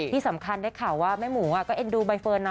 ที่สำคัญได้ข่าวว่าแม่หมูก็เอ็นดูใบเฟิร์นนะ